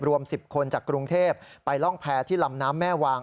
รวม๑๐คนจากกรุงเทพไปร่องแพร่ที่ลำน้ำแม่วาง